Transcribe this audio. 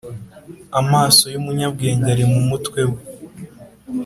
Amaso y umunyabwenge ari mu mutwe we